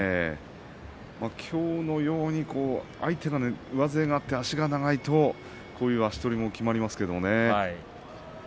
きょうのように相手が上背があって足が長いとこういう足取りも決まりますけどね。